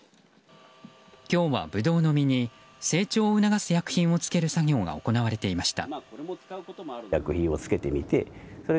今日はブドウの実に成長を促す薬品をつける作業が行われていました。